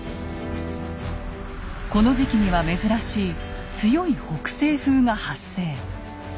この時期には珍しい強い北西風が発生。